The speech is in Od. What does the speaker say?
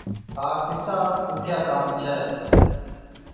ها ڪِسا ڏُکِيا ڪام ڇَي۔